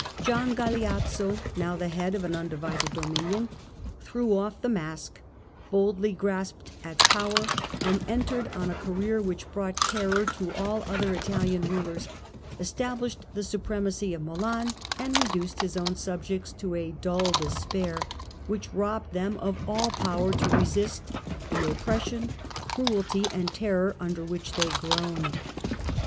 Gian Galeazzo, now the head of an undivided dominion, threw off the mask, boldly grasped at power, and entered on a career which brought terror to all other Italian rulers, estab lished the supremacy of Milan, and reduced his own subjects to a dull despair, which robbed them of all ITALY, 1382 1453 189 power to resist the oppression, cruelty and terror under which they groaned.